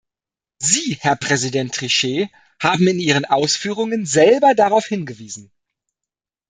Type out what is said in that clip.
Sie, Herr Präsident Trichet, haben in Ihren Ausführungen selber darauf hingewiesen.